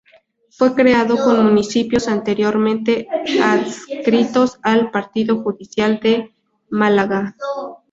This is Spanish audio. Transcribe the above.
Fue creado con municipios anteriormente adscritos al partido judicial de Málaga.